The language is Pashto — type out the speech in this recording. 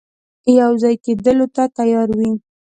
یو ځای کېدلو ته تیار وي.